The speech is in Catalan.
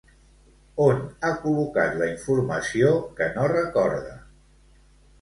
On ha col·locat la informació que no recorda?